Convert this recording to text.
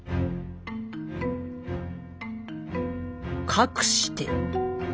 かくして。